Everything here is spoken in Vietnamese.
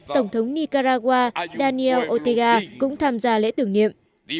tổng thống nicaragua daniel otega cũng tham gia lễ tưởng niệm